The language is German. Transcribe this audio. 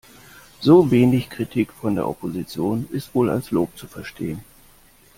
So wenig Kritik von der Opposition ist wohl als Lob zu verstehen.